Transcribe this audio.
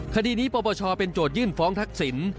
คดีนี้ปรบประชาเป็นโจทยื่นฟ้องทักศิลป์